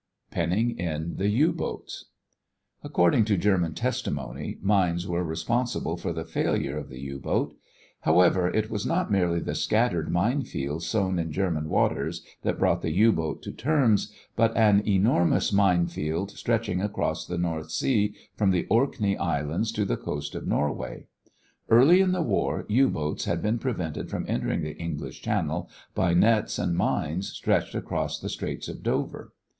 PENNING IN THE U BOATS According to German testimony, mines were responsible for the failure of the U boat. However, it was not merely the scattered mine fields sown in German waters that brought the U boat to terms, but an enormous mine field stretching across the North Sea from the Orkney Islands to the coast of Norway. Early in the war, U boats had been prevented from entering the English Channel by nets and mines stretched across the Straits of Dover.